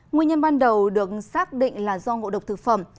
nguyên nhân ban đầu được xác định là do ngộ độc thực phẩm